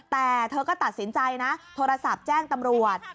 แต่เธอก็ตัดสินใจนะโทรศัพท์แจ้งตำรวจ